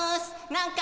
何か